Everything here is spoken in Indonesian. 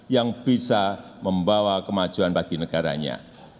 yang bisa membawa kemajuan bagi negaranya